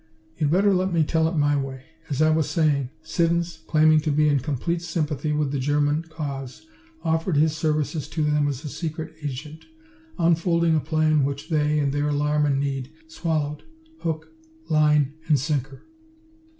"You'd better let me tell it my way. As I was saying, Siddons, claiming to be in complete sympathy with the German cause, offered his services to them as a secret agent, unfolding a plan which they, in their alarm and need, swallowed hook, line and sinker.